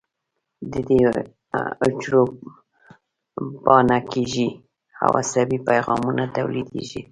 د دې حجرو باڼه کږېږي او عصبي پیغامونه تولیدېږي.